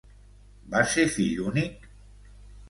Va ser fill únic?